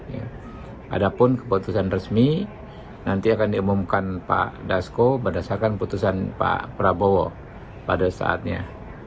ada pun keputusan resmi nanti akan diumumkan pak dasko berdasarkan putusan pak prabowo pada saatnya